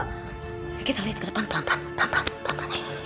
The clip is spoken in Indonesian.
ki kita lihat ke depan pelan dua ayo